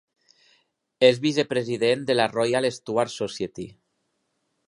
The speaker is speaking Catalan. És vicepresident de la Royal Stuart Society.